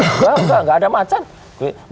enggak enggak ada macan